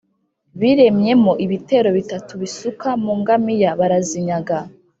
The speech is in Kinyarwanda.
biremyemo ibitero bitatu bisuka mu ngamiya barazinyaga